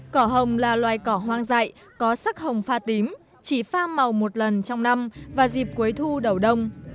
cỏ hồng là loài cỏ hoang dại có sắc hồng pha tím chỉ pha màu một lần trong năm và dịp cuối thu đầu đông